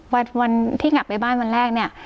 วันที่กลับไปบ้านวันแรกเนี่ย